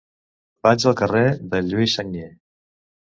Vaig al carrer de Lluís Sagnier.